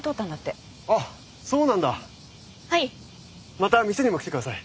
また店にも来て下さい。